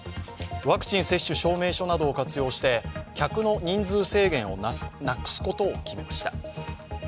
ワクチン接種証明書などを活用して、客の人数制限をなくすことを決めました。